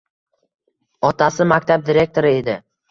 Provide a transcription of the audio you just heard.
Otasi maktab direktori edi.